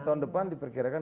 tahun depan dipercaya